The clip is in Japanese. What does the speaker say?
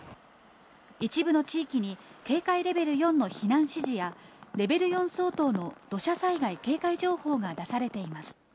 一部の地域に警戒レベル４の避難指示や、レベル４相当の土砂災害警戒情報が出されています。